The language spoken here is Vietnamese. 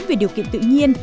về điều kiện tự nhiên